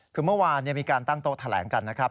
คือเมื่อวานมีการตั้งโต๊ะแถลงกันนะครับ